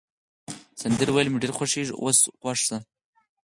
سندرې ویل مي ډېر خوښیږي، اوس غوږ شه.